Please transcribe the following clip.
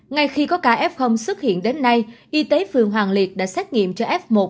ngay khi có ca f xuất hiện đến nay y tế phường hoàng liệt đã xét nghiệm cho f một